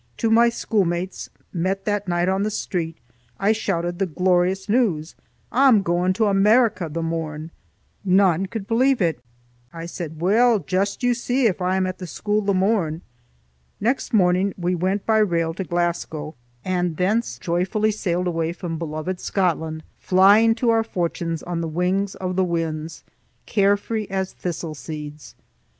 To my schoolmates, met that night on the street, I shouted the glorious news, "I'm gan to Amaraka the morn!" None could believe it. I said, "Weel, just you see if I am at the skule the morn!" Next morning we went by rail to Glasgow and thence joyfully sailed away from beloved Scotland, flying to our fortunes on the wings of the winds, care free as thistle seeds.